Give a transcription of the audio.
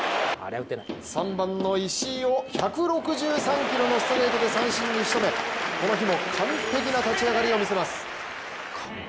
３番の石井を１６３キロのストレートで三振に仕留め、この日も完璧な立ち上がりを見せます。